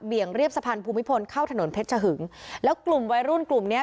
งเรียบสะพานภูมิพลเข้าถนนเพชรชะหึงแล้วกลุ่มวัยรุ่นกลุ่มเนี้ย